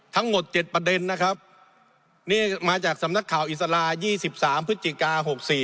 ทั้งหมด๗ประเด็นนะครับนี่มาจากสำนักข่าวอิสลา๒๓พฤศจิกา๖๔